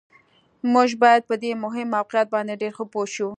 موږ باید په دې مهم واقعیت باندې ډېر ښه پوه شو